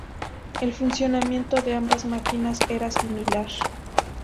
El funcionamiento de ambas máquinas era similar.